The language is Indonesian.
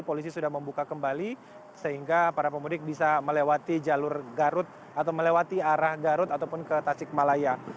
polisi sudah membuka kembali sehingga para pemudik bisa melewati jalur garut atau melewati arah garut ataupun ke tasik malaya